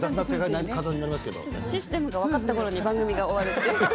システムが分かったころに番組が終わるっていう。